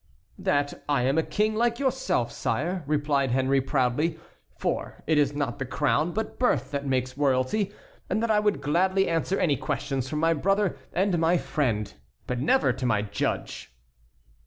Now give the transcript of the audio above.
"That I am a king like yourself, sire," replied Henry, proudly, "for it is not the crown but birth that makes royalty, and that I would gladly answer any questions from my brother and my friend, but never from my judge."